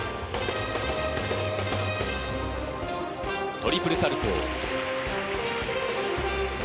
トリプルサルコー。